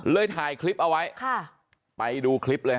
เลยถ่ายคลิปเอาไว้ค่ะไปดูคลิปเลยฮะอ๋อ